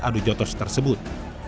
adu jotos tersebut